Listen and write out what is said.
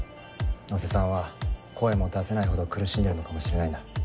野瀬さんは声も出せないほど苦しんでるのかもしれないんだ。